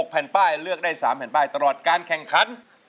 แผ่นป้ายเลือกได้๓แผ่นป้ายตลอดการแข่งขัน